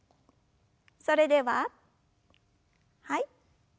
それでははい。